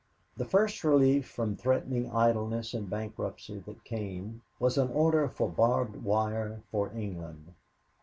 The first relief from threatening idleness and bankruptcy that came was an order for barbed wire for England.